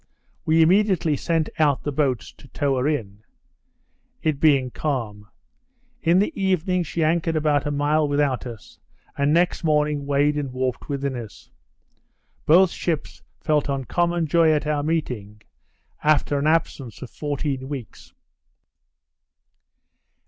We immediately sent out the boats to tow her in, it being calm. In the evening she anchored about a mile without us; and next morning weighed and warped within us. Both ships felt uncommon joy at our meeting, after an absence of fourteen weeks.